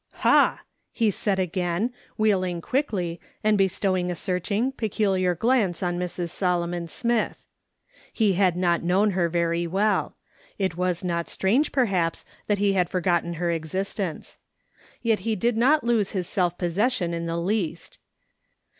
" Ha !" lie said again, wheeling quickly, and bestow ing a searching, peculiar glance on Mrs. Solomon Smith. He had not known her very well ; it was not strange, perhaps, that he had forgotten her exist ence. Yet he did not lose his self possession in the least.